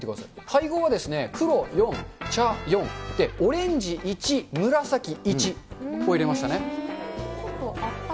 配合は黒４、茶４で、オレンジ１、紫１を入れましたね。